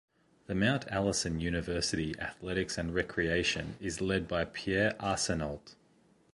The Mount Allison University Athletics and Recreation is led by Pierre Arsenault.